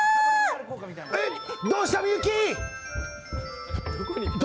えっ、どうししたみゆき。